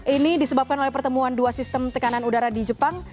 ini disebabkan oleh pertemuan dua sistem tekanan udara di jepang